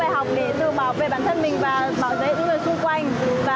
và em sẽ học được một số bài học để tự bảo vệ bản thân mình và bảo giấy những người xung quanh